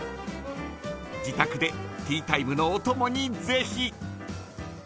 自宅でティータイムのお供にぜひ。